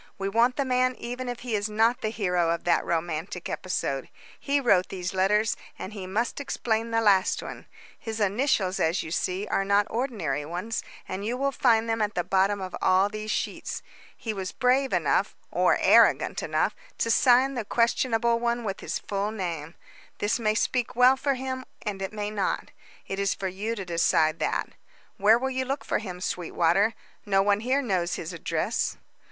We want the man even if he is not the hero of that romantic episode. He wrote these letters, and he must explain the last one. His initials, as you see, are not ordinary ones, and you will find them at the bottom of all these sheets. He was brave enough or arrogant enough to sign the questionable one with his full name. This may speak well for him, and it may not. It is for you to decide that. Where will you look for him, Sweetwater? No one here knows his address."